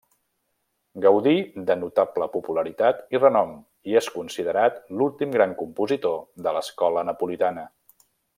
Gaudí de notable popularitat i renom, i és considerat l'últim gran compositor de l'escola napolitana.